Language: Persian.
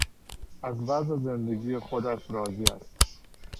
از وضع زندگی خودش راضی است.